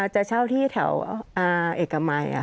จะเช่าที่แถวเอกมัย